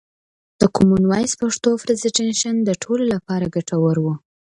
د کومن وایس پښتو پرزنټیشن د ټولو لپاره ګټور و.